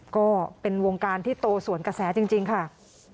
ก็เป็นวงการที่โตสวนกระแสจริงค่ะ